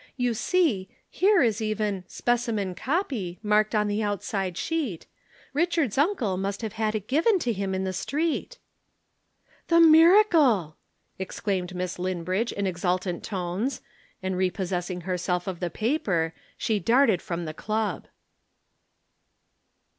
And see! Here is even 'Specimen Copy' marked on the outside sheet. Richard's uncle must have had it given to him in the street." "The miracle!" exclaimed Miss Linbridge in exultant tones, and repossessing herself of the paper she darted from the Club.